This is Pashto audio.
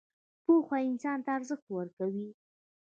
پوهه انسان ته ارزښت ورکوي